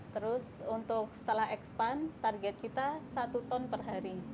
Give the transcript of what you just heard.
terus untuk setelah expand target kita satu ton per hari